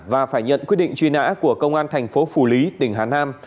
và phải nhận quyết định truy nã của công an thành phố phủ lý tỉnh hà nam